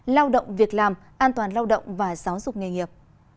lao động việc làm an toàn lao động và giáo dục nghề nghiệp